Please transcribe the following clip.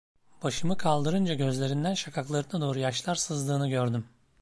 Başımı kaldırınca gözlerinden şakaklarına doğru yaşlar sızdığını gördüm.